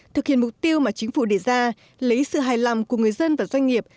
thực hiện mục tiêu mà chính phủ đề ra lấy sự hài lòng của người dân và doanh nghiệp